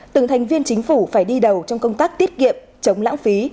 từng thành viên chính phủ phải đi đầu trong công tác tiết kiệm chống lãng phí